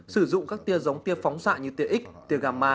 sử dụng các tia giống tia phóng xạ như tia x tia g